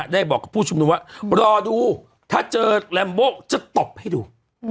ได้บอกกับผู้ชุมนุมว่ารอดูถ้าเจอแรมโบจะตบให้ดู